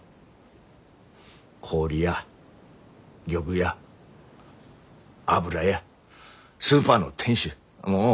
氷屋漁具屋油屋スーパーの店主